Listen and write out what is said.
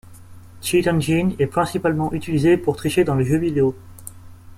Cheat Engine est principalement utilisé pour tricher dans les jeux vidéo.